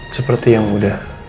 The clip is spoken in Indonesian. seperti yang udah